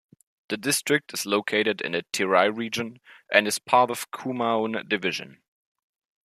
The district is located in the Terai region, and is part of Kumaon Division.